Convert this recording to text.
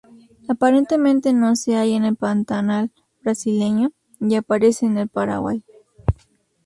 Aparentemente no se halla en el Pantanal Brasileño, y aparece en el Paraguay.